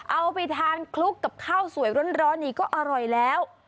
เอาไปทานคลุกกับข้าวสวยร้อนอีกก็อร่อยแล้ว